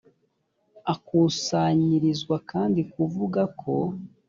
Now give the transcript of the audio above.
akusanyirizwa kandi bavuga ko